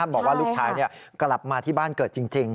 บอกว่าลูกชายกลับมาที่บ้านเกิดจริง